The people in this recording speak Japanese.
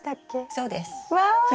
そうです。わ！